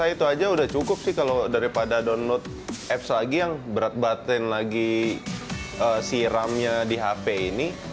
itu aja udah cukup sih kalau daripada download apps lagi yang berat batin lagi siramnya di hp ini